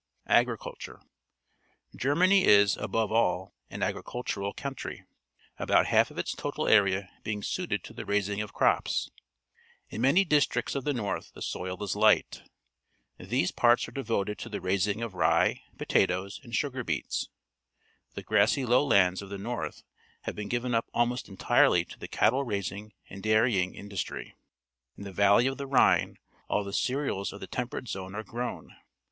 Agriculture. — Germany is, above all, an agricultural country, about half of its total area being suited to the raising of crops. In many districts of the north the soil is light. These parts are devoted to the raising of rye, potatoes, and sugar beets. The grassy A Pontoon Bridge over the Rhine at Cologne, Germany lowlands of the north have been given up almost entirely to the cattle raising and dairying industry. In the valley of the Rhine all the cereals of the Temperate Zone are grown.